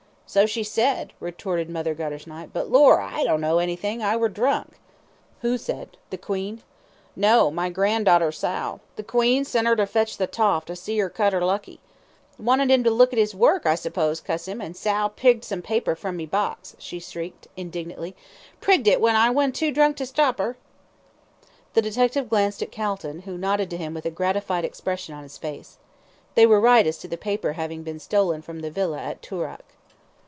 "So she said," retorted Mother Guttersnipe; "but, lor, I dunno anythin', I were drunk." "Who said the 'Queen?'" "No, my gran'darter, Sal. The 'Queen,' sent 'er to fetch the toff to see 'er cut 'er lucky. Wanted 'im to look at 'is work, I s'pose, cuss 'im; and Sal prigged some paper from my box," she shrieked, indignantly; "prigged it w'en I were too drunk to stop 'er?" The detective glanced at Calton, who nodded to him with a gratified expression on his face. They were right as to the paper having been stolen from the Villa at Toorak.